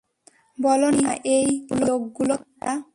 বল না, এই লোকগুলো কারা?